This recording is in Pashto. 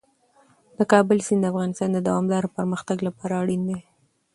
د کابل سیند د افغانستان د دوامداره پرمختګ لپاره اړین دي.